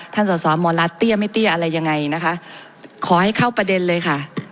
สอสอหมอรัฐเตี้ยไม่เตี้ยอะไรยังไงนะคะขอให้เข้าประเด็นเลยค่ะ